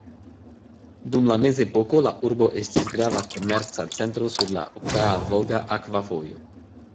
Dum la mezepoko la urbo estis grava komerca centro sur la Okaa-Volga akva vojo.